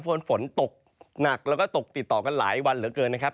เพราะว่าฝนตกหนักแล้วก็ตกติดต่อกันหลายวันเหลือเกินนะครับ